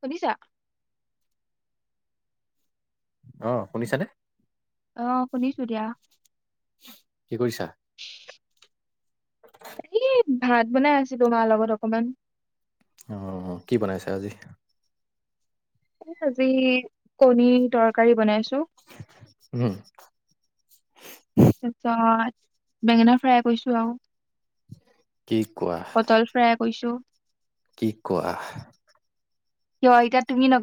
শুনিছা? অ' শুনিছানে? অ', শুনিছো দিয়া। কি কৰিছা? এই ভাত বনাই আছিলো মাৰ লগত অকমান। অ', কি বনাইছা আজি? আজি কণী তৰকাৰী বনাইছো। উম। তাৰপিছত বেঙেনা ফ্ৰাই কৰিছো আৰু। কি কোৱা, পটল ফ্ৰাই কৰিছো। কি কোৱা? কিয় এতিয়া তুমি নক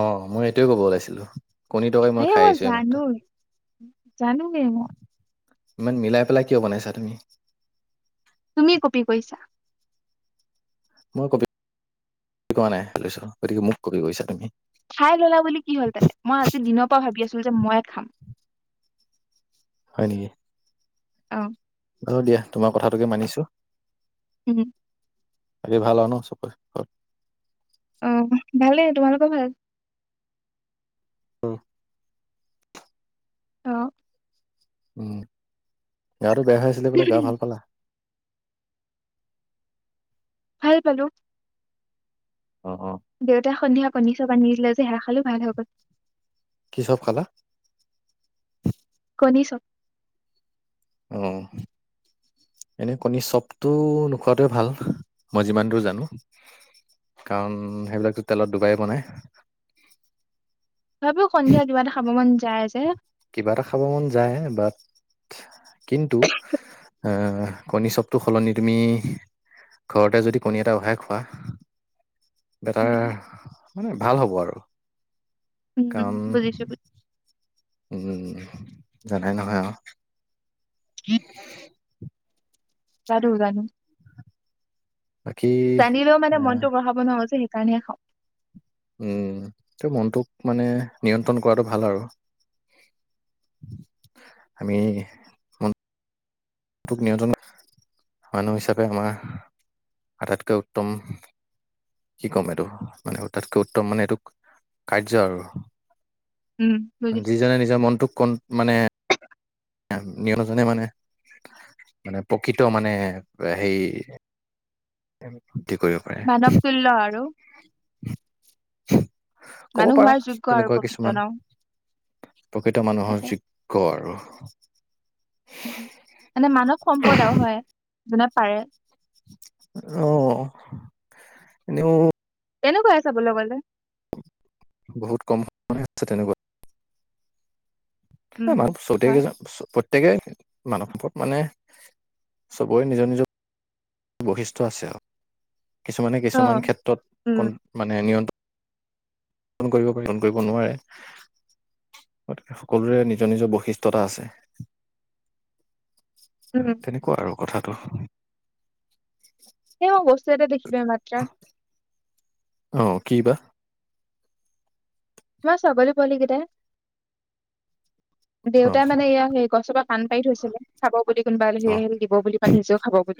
অ', মই এইটোৱে কব ওলাইছিলো। কণী তৰকাৰী মই খাই আহিছো এইমাত্ৰ। জানো এ মই। ইমান মিলাই পেলাই কিয় বনাইছা তুমি? তুমি কপি কৰিছা। মই কপি কৰা নাই। গতিকে মোক কপি কৰিছা তুমি। খাই ল'লা [unintelligible] ময়ে খাম। ইয়ে অ'। বাৰু দিয়া, তোমাৰ কথাটোকে মানিছো। উম বাকি ভাল আৰু ন চবৰে ঘৰৰ? অ ভালেই। তোমালোকৰ ভাল? অ। অ'। উম, গাটো বেয়া হৈ আছিলে বোলে গা ভাল পালা? ভাল পালোঁ। অ', অ'। দেউতাই সন্ধিয়া কণী চ'প আনি দিলে যে, হেয়া খালোঁ ভাল হৈ গ'ল। কি চ'প খালা? কণী চ'প। অ', এনেই কণী চ'পটো নোখোৱাটোৱে ভাল মই যিমান দূৰ জানো কাৰণ সেইবিলাকটো তেলত দুবায়েই বনাই। তথাপিও সন্ধিয়া কিবা এটা খাব মন য যায় যে। কিবা এটা খাব মন যায়, বাট কিন্তু এ কণী চপটোৰ সলনি তুমি ঘৰতে যদি কণী এটা ওহাই খোৱা, বেটাৰ উম মানে ভাল হ'ব আৰু। উম, কাৰণ বুজিছোঁ, বুজ উম, জানাই নহয় আৰু। [inaudible] [inaudible] জানো, জানো। বাকী জানিলেও মানে আহ মনটো বঢ়াব নোৱাৰোঁ যে সে কাৰণে খাওঁ। উম ত মনটোক মানে নিয়ন্ত্ৰণ কৰাটো ভাল আৰু। আমি মন টোক নিয়ন্ত্ৰণ, মানুহ হিচাপে আমা আটাইতকৈ উত্তম কি কম এইটো মানে আটাইতকৈ উত্তম মানে এইটোক কাৰ্য্য আৰু। উম বুজিছো যিজনে নিজৰ মনটোক কন মানে নিয়জনে মানে মানে প্ৰকৃত মানে সেই তেম মানৱ তুল্ল আৰু। কব মানুহ পাৰা হোৱাৰ যোগ্য আৰু তেনেকুৱা প্ৰকৃত কিছুমান ন প্ৰকৃত মানুহৰ তাকে যোগ্য আৰু। উম জোনে পাৰে। অ এনেও তেনেকুৱাই চাবলে গ'লে। বহুত কম মানুহে আছে তেনেকুৱা। এ উম মান ছয় হয় তাৰিখে যাম, ছপত প্ৰত্যেকে মানুহভপত মানে চবৰে নিজৰ নিজৰ বৈশিষ্ট্য আছে আৰু কিছুমানে, অ কিছুমান ক্ষেত্ৰত কন উম মানে নিয়ন্ত্ৰণ [inaudible] উম তেনেকুৱা আৰু। কথাটো [inaudible] অ', কি বা! মোৰ ছাগলী পোৱালী কেইটা অ' দেউতাই মানে এয়া হেৰী গছপাত পান পাৰি থৈছিলে, খাব যদি কোনোবা আলহী‌ অ' আহিলে দিব বুলি, বা নিজেও খাব বুলি।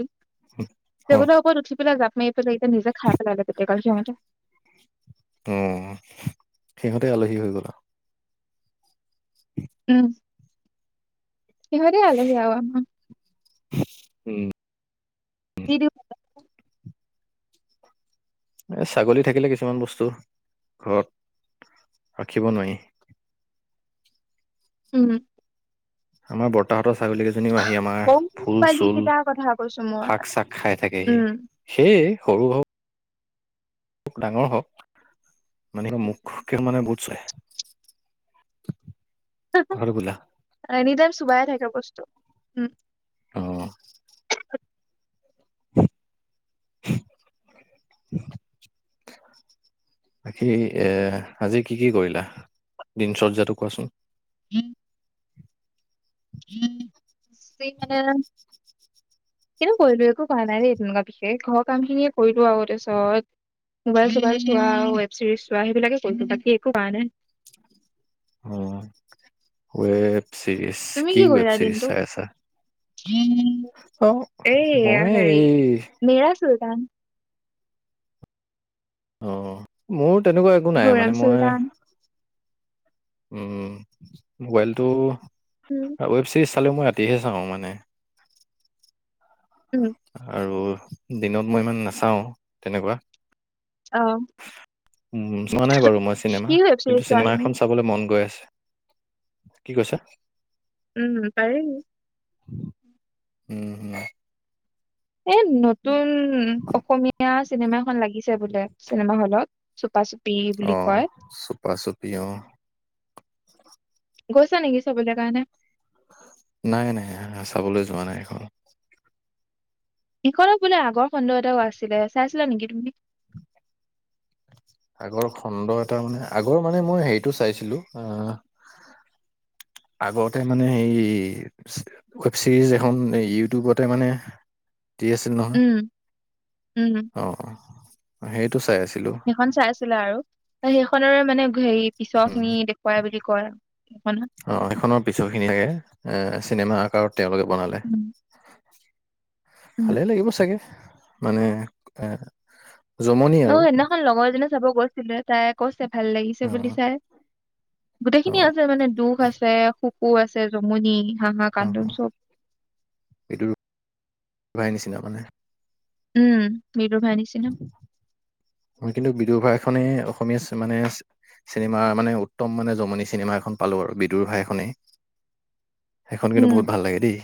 অ' টেবোলৰ ওপৰত উঠি পেলাই জাপ [unintelligible] উম সিহঁতে আলহী হৈ গ'ল আৰু। উম, সিহঁতে আলহী আৰু উম বিদি এ ছাগলী থাকিলে কিছুমান বস্তু ঘৰত ৰাখিব নোৱাৰি। উম আমাৰ বৰ্তাহঁতৰ ছাগলীকেইজনীও আহি আমাৰ সৰু ফুল পোৱালি চুল, কেইটাৰ কথা কৈছো মই। শাক চাক খাই থাকেহি। উম। সেয়ে, সৰু হওক ডাঙৰ হওক মানে মুখকে মানে [unintelligible] [inaudible] [unintelligible] কথাটো বুলা এনী টাইমচ চুবাৱেই থাকে বস্তু, উম অ' [inaudible] বাকি এ আজি কি কি কৰিলা দিনচৰ্যটো কোৱাচোন? [inaudible] ফেক মানে কিনো কৰিলো একো কৰা নাই দেই তেনেকুৱা বিশেষ, ঘৰৰ কাম খিনিয়ে কৰিলো আৰু তাৰপিছত মোবাইল চবাইল চোৱা, আ ৱেব চিৰিজ চোৱা সেইবিলাকে কৰিলো বাকি একো কৰা নাই। অ ' উয়েব। চিৰিজ তুমি কি ৱেব কৰিলা চিৰিজ দিনটো? চাই আছা অ এইয়া মই হেৰি এই। মেৰা চুলতান। অ' মোৰ তেনেকুৱা একো নাই হুৰাম মানে মই চুলতান। উম মোবাইলটো উম। Web series. চলে মই ৰাতিহে চাওঁ মানে। উম, আৰু। দিনত মই ইমান নাচাও তেনেকুৱা। অ' উম চোৱা নাই বাৰু মই চিনেমা, কি ৱেব চিৰিজ কিন্তু চোৱা চিনেমা তুমি? এখন চাবলে মন গৈ আছে। কি কৈছা। উম পাৰি। উম এ নতুন উম, অসমীয়া চিনেমা এখন লাগিছে বোলে, চিনেমা হলত, চুপা চুপ অহ চুপা চুপি অহ। গৈছা নেকি চবলে কাৰণে? নাই নাই চাবলৈ যোৱা নাই এখন। এইখনৰ বোলে আগৰ খণ্ড এটাও আছিলে চাইছিলা নেকি তুমি? আগৰ খণ্ড এটা মানে, আগৰ মানে মই হেৰিটো চাইছিলো আহ আগতে মানে সেই এই ৱেব ছিৰিজ এখন ইউটিউবতে মানে দি আছিল নহয় উম উম অ', সেইটো চাই আছিলোঁ সেইখন চাইছিলে আৰু সেইখনৰে মানে। হেৰি পিছৰ উম, খিনি দেখুৱাই বুলি কয় নহয়। অ' এইখনৰ পিছৰ খিনি লাগে এ চিনেমা কাৰত তেওঁলোকে বনালে। উম উম ভালে লাগিব চাগে। মানে এ জমনি অ' আৰু সেইদিনাখন লগৰ এজনি চাব গৈছিলে তাই কৈছে। ভাল লাগিছে অ', বুলি চাই গোটেইখিনি অ', আছে মানে দুখ আছে সুখ কু আছে যমুনি অ' এইটো ভাই নিচিনা মানে উম মৃদুভাইৰ নিচিনা ময় কিন্তু বিদুৰ ভায় খনেই অসমীয়া মানে চিনেমা মানে উত্তম মানে জমনি চিনেমা এখন পালোঁ আৰু বিদুৰ ভাই খনেই। সেইখন কিন্তু উম বহুত ভাল লাগে দেই।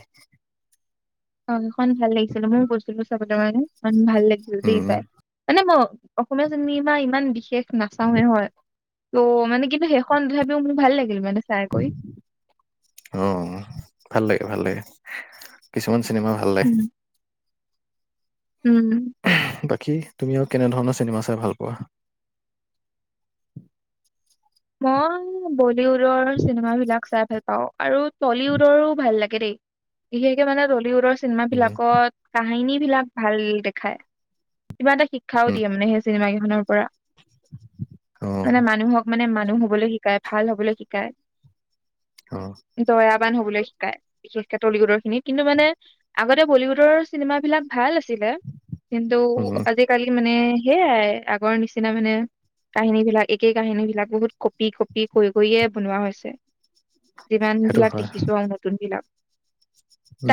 অ' সেইখন ভাল লাগিছিলে মইও গৈছিলো চাব। [unintelligible] উম ভাল লাগিছিল দে উম, চাই মানে মই অসমীয়া চিনেমা ইমান বিশেষ নাচাওৱে হয়। ত' মানে কিন্তু সেইখন তথাপিও মানে ভাল লাগিল মানে। চাই কৰি। অ' ভাল লাগে। ভাল লাগে কিছুমান চিনেমা ভাল লাগে। উম, উম। বাকী তুমি আৰু কেনেধৰণৰ চিনেমা চাই ভাল পোৱা? অ' বলিউডৰ চিনেমাবিলাক চাই ভাল পাওঁ। পাওঁ। আৰু টলিউডৰো ভাল লাগে। [unintelligible] বিশেষকে মানে ৰলি উদৰ চিনেমা উম, বিলাকত কাহিনী বিলাক ভাল দেখায়। কিবা এটা শিক্ষাও উম, দিয়ে মানে সেই চিনেমা [unintelligible] পৰা অ', মানে মানুহক মানে মানুহ হ'বলৈ শিকাই ভাল হ'বলৈ শিকায়। অ'। দয়াবান হবলৈ শিকায় বিশেষকে টলিউডৰ খিনি কিন্তু মানে আগতে বলিউডৰ চিনেমা বিলাক ভাল আছিল [unintelligible] কিন্তু উম, আজিকালি মানে সেয়াই আগৰ নিচিনা মানে কাহিনী বিলাক একেই কাহিনী বিলাক বহুত কঁপি কঁপি [unintelligible] কৰিয়ে বনোৱা হৈছে যিমান সেইটো বিলাক হয়। দেখিছো আৰু নতুন বিলাক।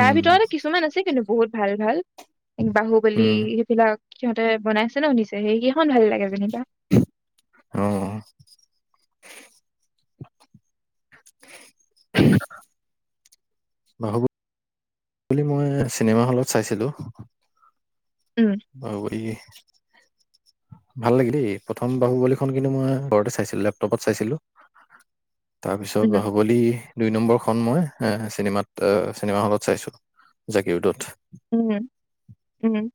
তাৰ ভিতৰতে কিছুমান আছে কিন্তু বহুত ভাল ভাল। বাহুবলি উম, সেইবিলাক। সিহঁতে বনাইছে ন নিজে [unintelligible] [unintelligible] ভাল লাগে যেনিবা অ', [unintelligible] বাহুবলী মই চিনেমা হলত চাইছিলোঁ উম [unintelligible] ভাল লাগিল দেই প্ৰথম বাহুবলীখন কিন্তু মই ঘৰতে চাইছিলো লেপটপত চাইছিলো তাৰ পিছত উম বাহুবলী দুই নম্বৰ খন মই। হে চিনেমাত অ' চিনেমা হলত চাইছো জাগীৰোডত উম -উম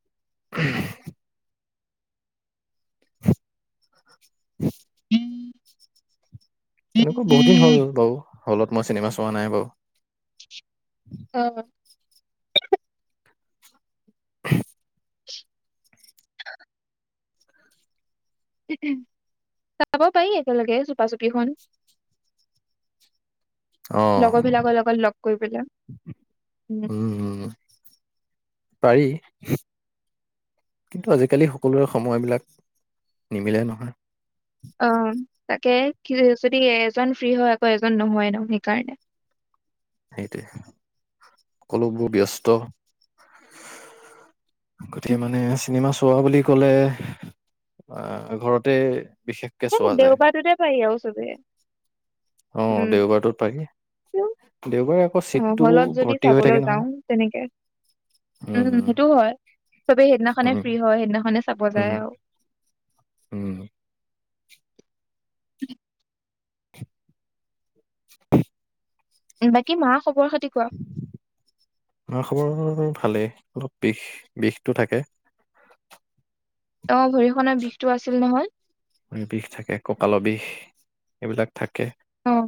[inaudible] তেনেকুৱা বহুত দিন হ'ল বাৰু হলত মই চিনেমা চোৱা নাই বাও অ' [inaudible] [inaudible] চাব পাৰি একেলগে চুপা চুপিখন অ লগৰবিলাকৰ লগত লগ কৰি পেলাই উম পাৰি কিন্তু আজিকালি সকলোৰে সময়বিলাক নিমিলে নহয়। অ 'তাকে যদি এজন ফ্ৰী হয় আকৌ এজন নহয় ন সেইকাৰণে সেইটোৱে সকলোবোৰ ব্যস্ত গতিকে উম, মানে চিনেমা চোৱা বুলি কলে আহ ঘৰতে। বিশেষকে এ চোৱা যায় দেওবাৰটোতে পাৰি আও চবে অ উম। দেওবাৰটোত পাৰি দেওবাৰে আকৌ অ' চিটটো হলত যদি ভৰ্তি হৈ চাবলৈ থাকে যাও নহয় তেনেকে উম সেইটোও হয় চবেই সেইদিনাখনে উম ফ্ৰী হয় সেইদিনাখনে চাব উম যায় আৰু। উম। [inaudible] [inaudible] বাকী মা খবৰ খাতি। কোৱা? [unintelligible] খবৰ খালে অলপ বিষ বিষটো থাকে [inaudible] অ ভৰিখনৰ বিষটো আছিল নহয় বিষ থাকে কঁকালৰ বিষ এইবিলাক থাকে। উম!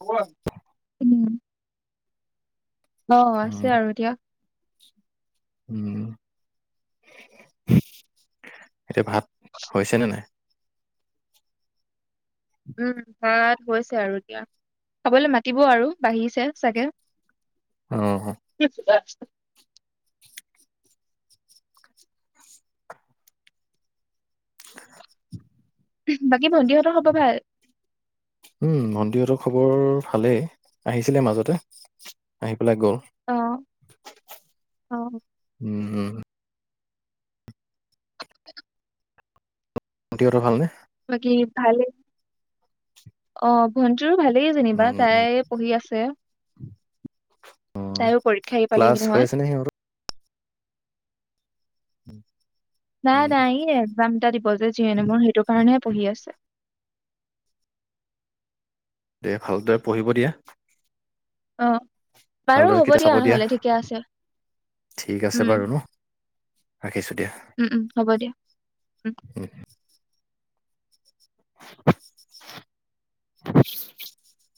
অ উম! অ আছে উম আৰু এতিয়া উম এতিয়া ভাত হৈছে নে নাই, উম ভাত হৈছে আৰু এতিয়া খাবলৈ মাতিব আৰু বাঢ়িছে চাগে। অ কি? [unintelligible] বাকী ভন্টিহঁতৰ খবৰ ভাল উম মন্দিৰতৰ খবৰ ভালেই আহিছিলে মাজতে আহি গল অ', অ', উম উম! সিহঁতৰ ভালনে বাকি ভালে অ ভন তোৰো ভালেই যেনিবা উম উম তাই পঢ়ি আছে তাইও পৰীক্ষা আহৰি ক্লাছ পালেহি হৈ নহয়। আছেনে সিহঁতৰ উম! নাই নাই ই একজাম এটা দিব যে যিয়েন মোৰ সেইটো কাৰণেহে পঢ়ি আছে। দে ভালদৰে পঢ়িব দিয়া। অ! বাৰু ভালদৰে হ'ব কিতাপ দিয়া চাব নহলে ঠিকে আছে ঠিক আছে উম! বাৰু ন উম উম হ'ব দিয়া! উম উ! [unintelligible]